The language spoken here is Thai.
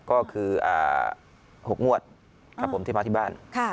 ก็คืออ่าหกงวดครับผมที่มาที่บ้านค่ะ